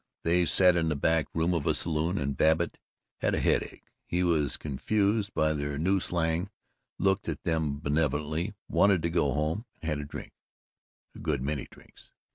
They sat in the back room of a saloon, and Babbitt had a headache, was confused by their new slang, looked at them benevolently, wanted to go home, and had a drink a good many drinks.